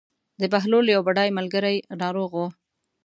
د بهلول یو بډای ملګری ناروغ و.